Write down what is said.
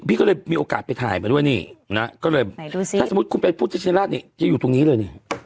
พี่ก็เลยมีโอกาสไปถ่ายมาด้วยนี่ถ้าสมมติคุณพระพุทธชินราชจะอยู่ตรงนี้เลย